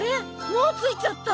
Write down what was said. もう着いちゃった！